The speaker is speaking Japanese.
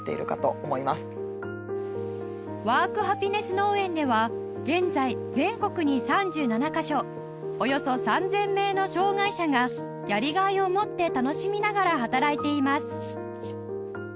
農園では現在全国に３７カ所およそ３０００名の障がい者がやりがいを持って楽しみながら働いています